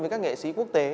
với các nghệ sĩ quốc tế